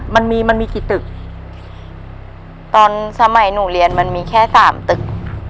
มันมีมันมีกี่ตึกตอนสมัยหนูเรียนมันมีแค่สามตึก